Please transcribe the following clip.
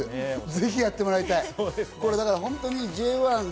ぜひやってもらいたい。